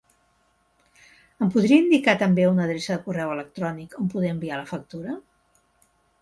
Em podria indicar també una adreça de correu electrònic on poder enviar la factura?